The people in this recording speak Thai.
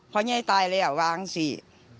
พอไหนตายแล้ววางสี่